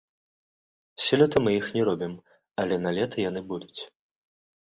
Сёлета мы іх не робім, але налета яны будуць.